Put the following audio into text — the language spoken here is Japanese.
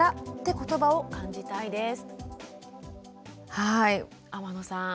はい天野さん